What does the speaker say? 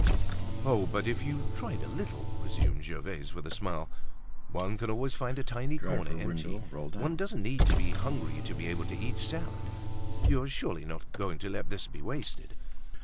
"Oh! but if you tried a little," resumed Gervaise with a smile. "One can always find a tiny corner empty. Once doesn't need to be hungry to be able to eat salad. You're surely not going to let this be wasted?"